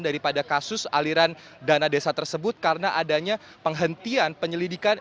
daripada kasus aliran dana desa tersebut karena adanya penghentian penyelidikan